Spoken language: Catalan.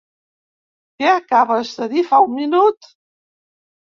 Què acabes de dir fa un minut?